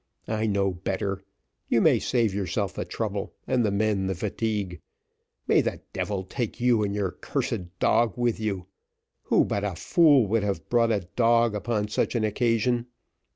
"I know better; you may save yourself the trouble, and the men the fatigue. May the devil take you, and your cursed dog with you! Who but a fool would have brought a dog upon such an occasion?